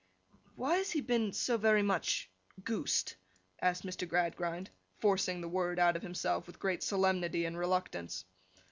'Why has he been—so very much—Goosed?' asked Mr. Gradgrind, forcing the word out of himself, with great solemnity and reluctance.